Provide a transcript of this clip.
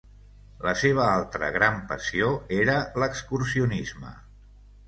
La seva altra gran passió era l’excursionisme.